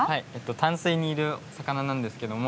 淡水にいる魚なんですけども。